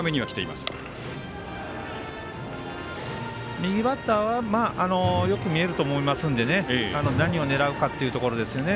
右バッターはよく見えると思いますので何を狙うかというところですよね。